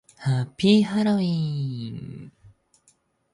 ハッピーハロウィン